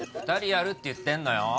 ２人やるって言ってんのよ